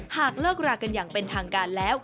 หากเลิกรากันอย่างเป็นทางการแล้ว